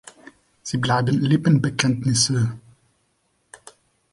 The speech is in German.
Sie bleiben Lippenbekenntnisse.